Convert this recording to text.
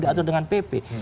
diatur dengan pp